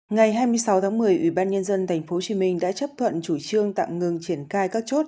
ngày hai mươi sáu một mươi ủy ban nhân dân tp hcm đã chấp thuận chủ trương tạm ngưng triển khai các chốt